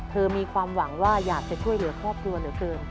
มีความหวังว่าอยากจะช่วยเหลือครอบครัวเหลือเกิน